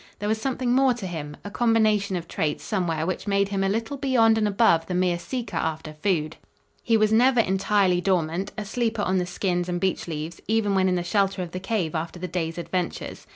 There was something more to him, a combination of traits somewhere which made him a little beyond and above the mere seeker after food. He was never entirely dormant, a sleeper on the skins and beech leaves, even when in the shelter of the cave, after the day's adventures.